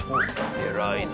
偉いな。